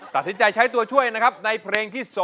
ตัดสินใจใช้ตัวช่วยนะครับในเพลงที่๒